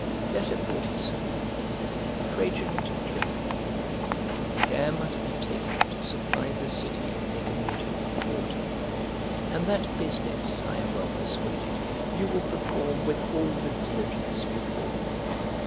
XLVII TRAJAN TO PLINY CARE must be taken to supply the city of Nicomedia with water; and that business, I am well persuaded, you will perform with all the diligence you ought.